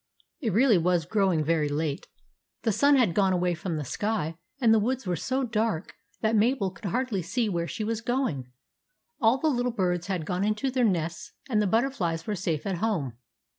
It really was growing very late. The sun had gone away from the sky and the woods were so dark that Mabel could hardly see where she was going. All the little birds had gone into their # nests and the butterflies were safe at home.